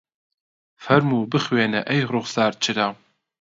فەرمووی بخوێنە ئەی ڕوخسار چرا